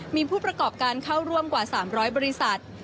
มีผู้ประกอบการเข้าร่วมกว่า๓๐๐บริษัท